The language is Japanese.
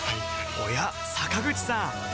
おや坂口さん